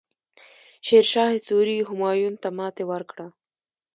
شیرشاه سوري همایون ته ماتې ورکړه.